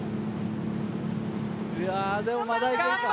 うわでもまだいけるか。